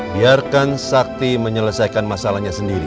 biarkan sakti menyelesaikan masalahnya sendiri